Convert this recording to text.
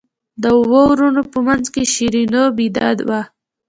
د اوو وروڼو په منځ کې شیرینو بېده وه.